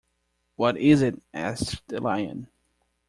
What is it? asked the Lion.